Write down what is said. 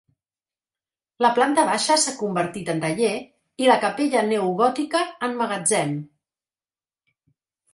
La planta baixa s'ha convertit en taller i la capella neogòtica en magatzem.